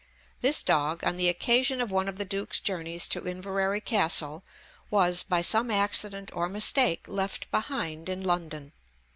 This dog, on the occasion of one of the Duke's journeys to Inverary Castle, was, by some accident or mistake, left behind in London.